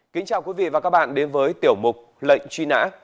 kính chào quý vị và các bạn đến với tiểu mục lệnh truy nã